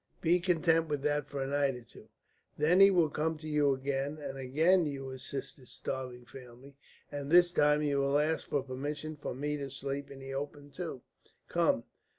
Be content with that for a night or two. Then he will come to you again, and again you will assist his starving family, and this time you will ask for permission for me to sleep in the open too. Come!